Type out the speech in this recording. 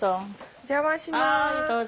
お邪魔します。